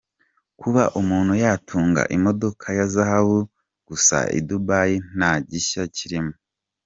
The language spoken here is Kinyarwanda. Kuba umuntu yatunga imodoka ya zahabu gusa i Dubai nta gishya kirimo.